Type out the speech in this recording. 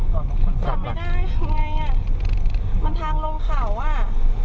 จับไม่ได้ทำไมอ่ะมันทางลงเขาอ่ะ